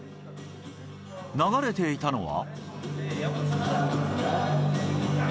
流れていたのは。